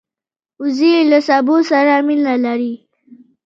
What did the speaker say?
وزې له سبو سره مینه لري